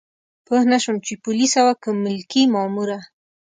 پوه نه شوم چې پولیسه وه که ملکي ماموره.